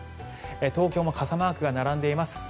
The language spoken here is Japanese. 東京も傘マークが並んでいます。